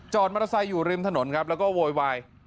มอเตอร์ไซค์อยู่ริมถนนครับแล้วก็โวยวาย